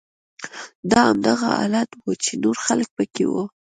دا هماغه حالت و چې نور خلک پکې وو